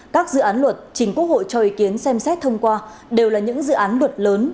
các dự án luật chính quốc hội cho ý kiến xem xét thông qua đều là những dự án luật lớn